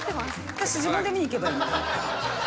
私自分で見に行けばいいの？